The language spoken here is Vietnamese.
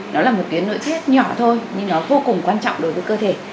nó là một tuyến nội tiết nhỏ thôi nhưng nó vô cùng quan trọng đối với cơ thể